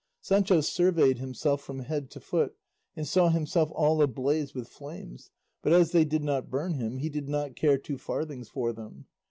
Sancho surveyed himself from head to foot and saw himself all ablaze with flames; but as they did not burn him, he did not care two farthings for them.